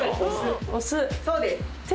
そうです！